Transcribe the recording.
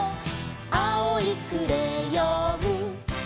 「あおいクレヨン」